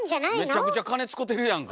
めちゃくちゃ金使うてるやんか。